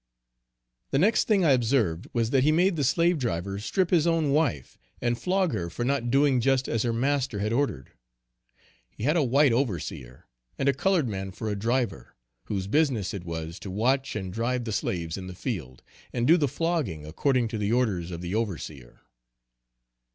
The next thing I observed was that he made the slave driver strip his own wife, and flog her for not doing just as her master had ordered. He had a white overseer, and a colored man for a driver, whose business it was to watch and drive the slaves in the field, and do the flogging according to the orders of the overseer.